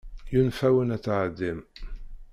Yunef-awen ad tɛeddim.